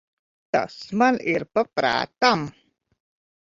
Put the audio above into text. Tas man ir pa prātam.